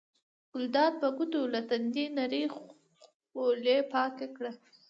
ګلداد په ګوتو له تندي نرۍ خوله پاکه کړه.